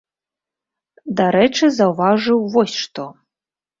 Дарэчы, заўважыў вось што.